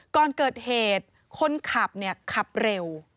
ก่อนเกิดเหตุคนขับขับเร็ว